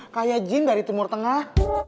kayak jin dari timur tengah